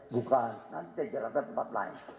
bukan nanti saya jelaskan tempat lain